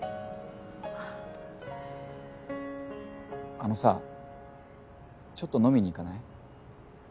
あのさちょっと飲みに行かない？